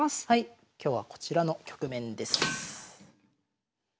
今日はこちらの局面です。